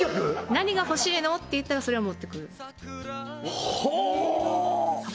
何が欲しいの？って言ったらそれを持ってくはあっ！